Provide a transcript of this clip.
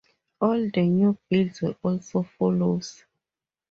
All the new builds were as follows.